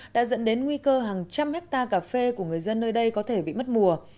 đã dẫn đến nguy cơ hàng trăm hectare cà phê của người dân nơi đây có thể bị mất mùa